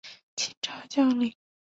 清朝将领。